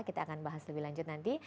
kita akan bahas lebih lanjut nanti